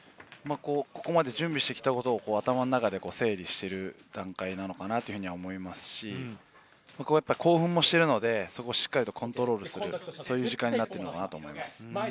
ここまで準備してきたことを頭の中で整理している段階なのかなというふうに思いますし、興奮もしているので、しっかりとコントロールする、そういう時間になっているのかなと思います。